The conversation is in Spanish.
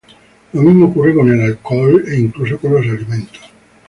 Lo mismo ocurre con el alcohol e incluso con los alimentos.